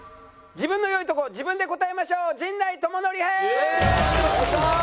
自分の良いトコ自分で答えましょう陣内智則編！